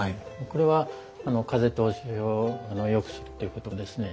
これは風通しをよくするっていうことですね。